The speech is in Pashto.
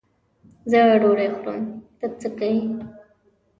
زه ډوډۍ خورم؛ ته څه که یې.